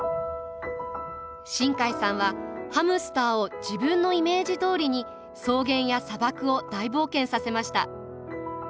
新海さんはハムスターを自分のイメージどおりに草原や砂漠を大冒険させました。